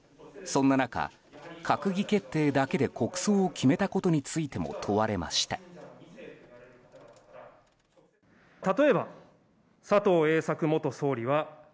そんな中、閣議決定だけで国葬を決めたことについても問われました。